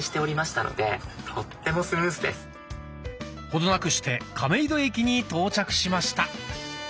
程なくして亀戸駅に到着しました。